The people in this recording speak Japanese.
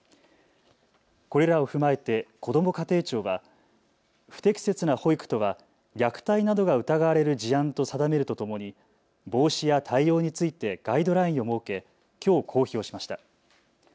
これらを踏まえてこども家庭庁は不適切な保育とは虐待などが疑われる事案と定めるとともに防止や対応についてガイドラインを設け、きょう公表しました。